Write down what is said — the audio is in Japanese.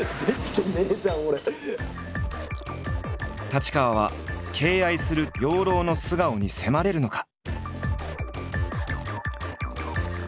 太刀川は敬愛する養老の素顔に迫れるのか？